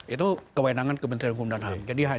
itu kewenangan kementerian hukum dan ham